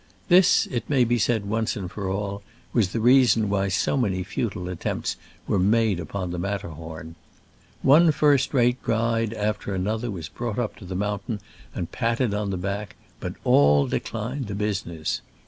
This, it may be said once for all, , was the reason why so many futile at tempts were made upon the Matter horn. One first rate guide after an other was brought up to the mountain and patted on the back, but all declined the business.